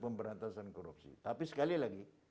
pemberantasan korupsi tapi sekali lagi